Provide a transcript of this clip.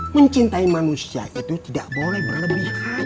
mencintai manusia itu tidak boleh berlebih